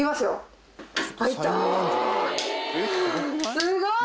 すごい。